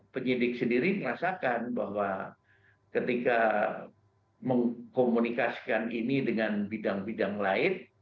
penyidik sendiri merasakan bahwa ketika mengkomunikasikan ini dengan bidang bidang lain